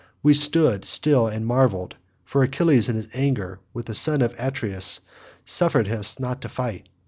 We stood still and marvelled, for Achilles in his anger with the son of Atreus suffered us not to fight.